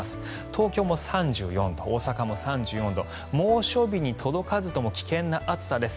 東京も３４度、大阪も３４度猛暑日に届かずとも危険な暑さです。